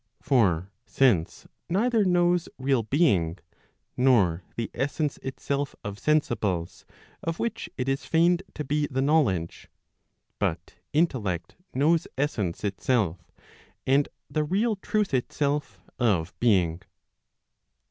For sense neither knows real, being, nor the essence itself of sensibles, of which it is feigned to be the knowledge; but intellect knows essence itself, and the real truth itself of being.